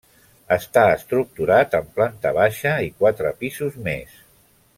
Està estructurat en planta baixa i quatre pisos més.